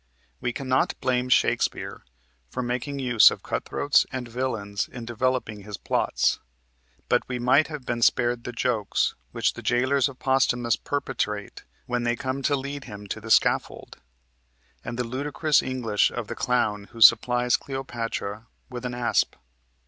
We can not blame Shakespeare for making use of cutthroats and villains in developing his plots, but we might have been spared the jokes which the jailors of Posthumus perpetrate when they come to lead him to the scaffold, and the ludicrous English of the clown who supplies Cleopatra with an asp.